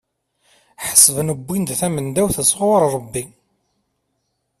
Ḥesben wwin-d tamendawt sɣur Rebbi.